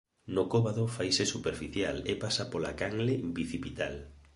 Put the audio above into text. No cóbado faise superficial e pasa pola canle bicipital.